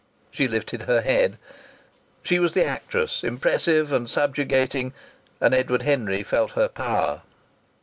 She lifted her head. She was the actress, impressive and subjugating, and Edward Henry felt her power.